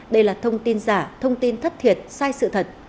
đây là thông tin giả thông tin thất thiệt sai sự thật